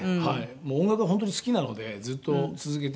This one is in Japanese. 音楽は本当に好きなのでずっと続けて。